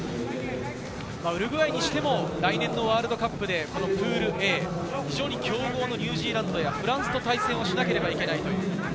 ウルグアイにしても、来年のワールドカップで、プールＡ、非常に強豪のニュージーランドやフランスと対戦をしなければいけない。